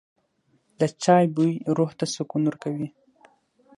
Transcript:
د چای بوی روح ته سکون ورکوي.